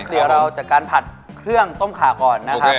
เดี๋ยวเราจัดการผัดเครื่องต้มขาก่อนนะครับ